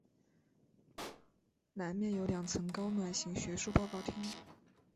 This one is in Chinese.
南面有两层高卵形学术报告厅。